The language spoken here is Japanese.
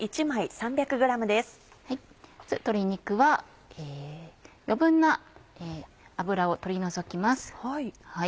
鶏肉は余分な脂を取り除きます。